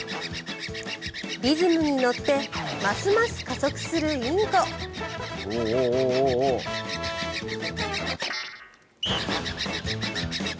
リズムに乗ってますます加速するインコ。